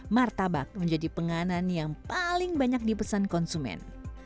martabak menjadi penganan yang paling banyak dipesan konsumen